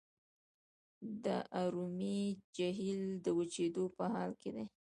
د ارومیې جهیل د وچیدو په حال کې دی.